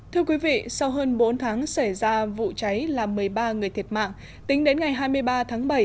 thưa quý vị sau hơn bốn tháng xảy ra vụ cháy làm một mươi ba người thiệt mạng tính đến ngày hai mươi ba tháng bảy